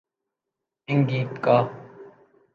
Angika